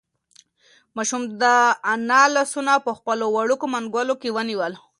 ماشوم د انا لاسونه په خپلو وړوکو منگولو کې ونیول.